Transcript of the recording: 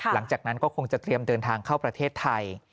หลังจากนั้นก็คงจะเตรียมเดินทางเข้าประเทศไทย